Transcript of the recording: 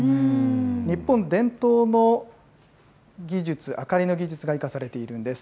日本伝統の技術、明かりの技術が生かされているんです。